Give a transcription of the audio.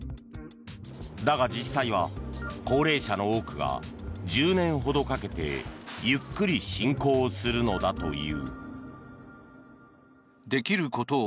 だが実際は高齢者の多くが１０年ほどかけてゆっくり進行するのだという。